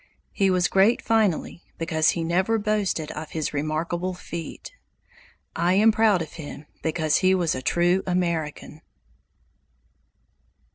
He was great finally, because he never boasted of his remarkable feat. I am proud of him, because he was a true American.